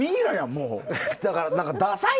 もう。